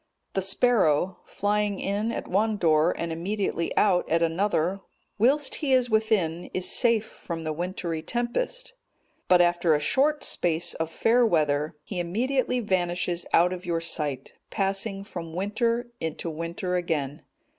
The sparrow, flying in at one door and immediately out at another, whilst he is within, is safe from the wintry tempest; but after a short space of fair weather, he immediately vanishes out of your sight, passing from winter into winter again.